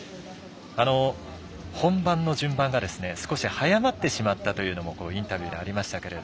本番の順番が少し早まってしまったというのもインタビューでありましたけど。